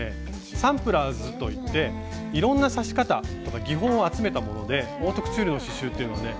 サンプラーズといっていろんな刺し方とか技法を集めたものでオートクチュールの刺しゅうっていうのはね